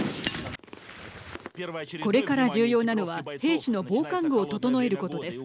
これから重要なのは兵士の防寒具を整えることです。